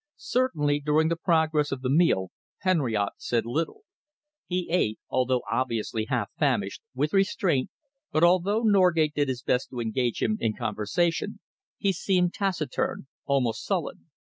Certainly during the progress of the meal Henriote said little. He ate, although obviously half famished, with restraint, but although Norgate did his best to engage him in conversation, he seemed taciturn, almost sullen.